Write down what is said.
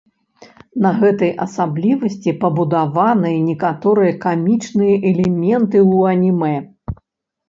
На гэтай асаблівасці пабудаваныя некаторыя камічныя элементы ў анімэ.